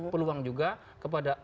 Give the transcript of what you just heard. peluang juga kepada